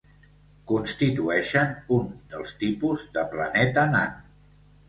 Constitueixen un dels tipus de planeta nan.